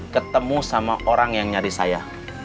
ketemu sama orang yang nyari saya